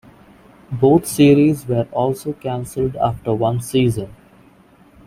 Both series were also cancelled after one season.